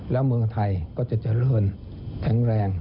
แล้วเมืองไทยก็จะเจริญแข็งแรง